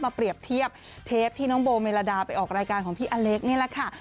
เปรียบเทียบเทปที่น้องโบเมลดาไปออกรายการของพี่อเล็กนี่แหละค่ะ